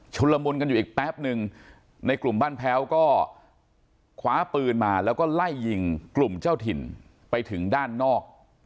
ละมุนกันอยู่อีกแป๊บนึงในกลุ่มบ้านแพ้วก็คว้าปืนมาแล้วก็ไล่ยิงกลุ่มเจ้าถิ่นไปถึงด้านนอก